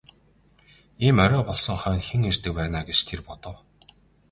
Ийм орой болсон хойно хэн ирдэг байна аа гэж тэр бодов.